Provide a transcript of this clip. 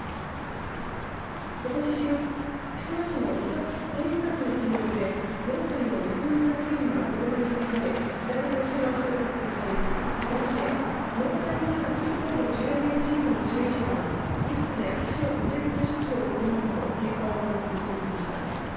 ことし４月串間市の都井岬の県道で４歳の雌の岬馬が車にはねられ左の後ろ足を骨折しこれまでＮＯＳＡＩ宮崎高度獣医療チームの獣医師らがギプスで足を固定する措置などを行うなど経過を観察してきました。